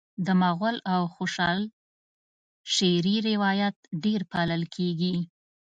د مغل او خوشحال شعري روایت ډېر پالل کیږي